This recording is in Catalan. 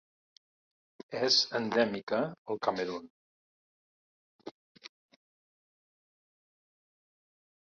És endèmica al Camerun.